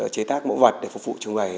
chế tác mẫu vật để phục vụ chúng này